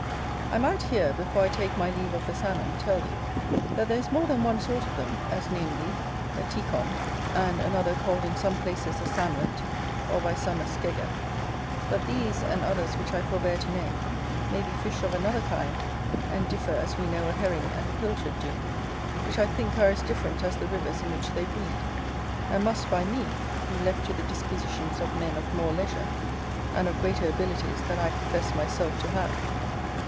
I might here, before I take my leave of the Salmon, tell you, that there is more than one sort of them, as namely, a Tecon, and another called in some places a Samlet, or by some a Skegger; but these, and others which I forbear to name, may be fish of another kind, and differ as we know a Herring and a Pilchard do, which, I think, are as different as the rivers in which they breed, and must, by me, be left to the disquisitions of men of more leisure, and of greater abilities than I profess myself to have.